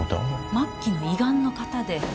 末期の胃がんの方で。